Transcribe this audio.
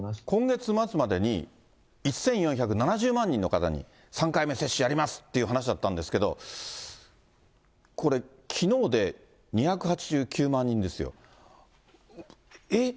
今月末までに１４７０万人の方に、３回目接種やりますっていう話だったんですけど、きのうで２８９万人ですよ。え？